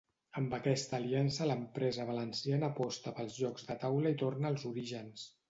Amb aquesta aliança l'empresa valenciana aposta pels jocs de taula i torna als orígens.